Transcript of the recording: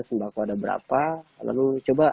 sembako ada berapa lalu coba